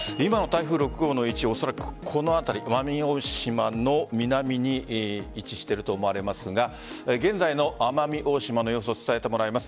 今の位置、おそらくこの辺り奄美大島の南に位置していると思われますが現在の奄美大島の様子を伝えてもらいます。